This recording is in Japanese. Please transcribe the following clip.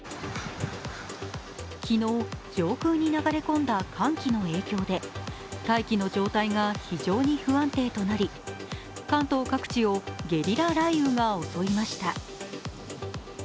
昨日上空に流れ込んだ寒気の影響で大気の状態が非常に不安定となり関東各地をゲリラ雷雨が襲いました。